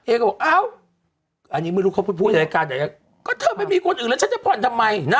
เอ๊ก็บอกอ้าวอันนี้ไม่รู้เขาพูดอะไรกันแต่ก็เธอไม่มีกฎอื่นแล้วทัศนภรรณ์ทำไมนั่น